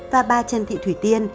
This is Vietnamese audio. ba trần thị thủy tiên